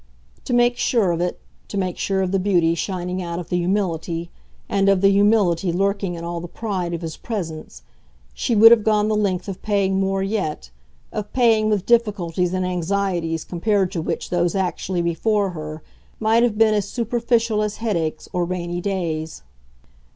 To make sure of it to make sure of the beauty shining out of the humility, and of the humility lurking in all the pride of his presence she would have gone the length of paying more yet, of paying with difficulties and anxieties compared to which those actually before her might have been as superficial as headaches or rainy days.